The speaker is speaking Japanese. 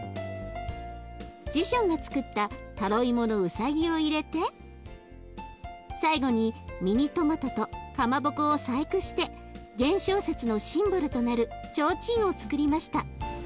ジションがつくったタロイモのうさぎを入れて最後にミニトマトとかまぼこを細工して元宵節のシンボルとなるちょうちんをつくりました。